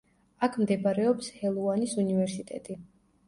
აქ მდებარეობს ჰელუანის უნივერსიტეტი.